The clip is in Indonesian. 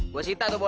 gua sita tuh bola